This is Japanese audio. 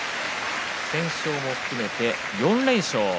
不戦勝も含めて４連勝。